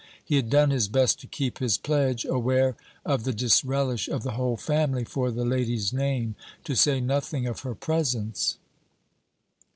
He had done his best to keep his pledge, aware of the disrelish of the whole family for the lady's name, to say nothing of her presence.